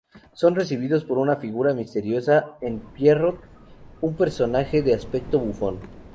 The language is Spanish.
Son recibidos por una figura misteriosa en Pierrot, un personaje de aspecto bufón.